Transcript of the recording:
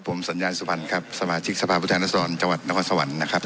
ผมสัญญาณสุพรรณครับสมาชิกสภาพผู้แทนรัศดรจังหวัดนครสวรรค์นะครับ